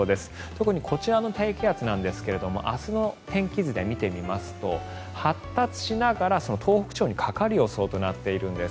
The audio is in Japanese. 特にこちらの低気圧なんですが明日の天気図で見てみますと発達しながら東北地方にかかる予想となっているんです。